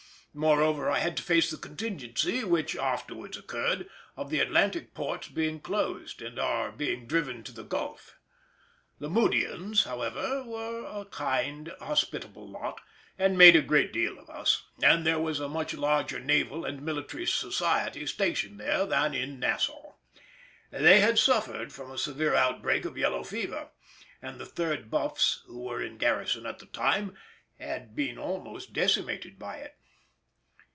Moreover I had to face the contingency, which afterwards occurred, of the Atlantic ports being closed and our being driven to the Gulf. The Mudians, however, were a kind, hospitable lot, and made a great deal of us, and there was a much larger naval and military society stationed there than in Nassau. They had suffered from a severe outbreak of yellow fever, and the 3rd Buffs, who were in garrison at the time, had been almost decimated by it.